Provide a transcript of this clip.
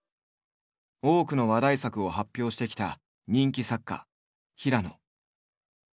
多くの話題作を発表してきた人気作家平野。